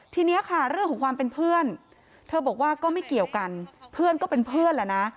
ทีนี้ค่ะเรื่องของความเป็นเพื่อนเธอบอกว่าก็ไม่เกี่ยวกันเพื่อนก็เป็นเพื่อนแหละนะ